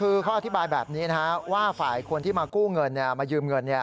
คือเขาอธิบายแบบนี้ว่าฝ่ายคนที่มากู้เงินมายืมเงิน